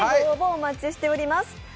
お待ちしております。